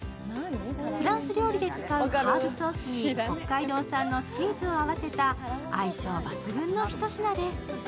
フランス料理で使うハーブソースに北海道産のチーズを合わせた相性抜群のひと品です。